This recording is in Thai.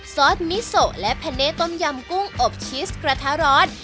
ซอสมิสโสและแผ่นเน้ต้มยำกุ้งอบชีสกระทะรอด